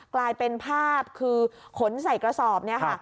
กลายเป็นภาพคือขนใส่กระสอบเนี่ยค่ะ